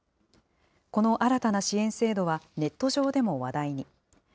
この新たな支援制度はネット上でも話題に。